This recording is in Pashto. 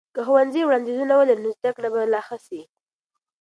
که ښوونځي وړاندیزونه ولري، نو زده کړه به لا ښه سي.